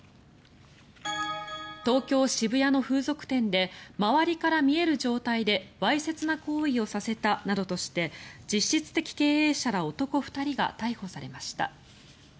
東京・渋谷の風俗店で周りから見える状態でわいせつな行為をさせたなどとして実質的経営者ら男２人が逮捕されました。